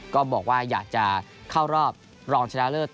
ก็บอกว่าอยากจะเข้ารอบรองชนะเลิศ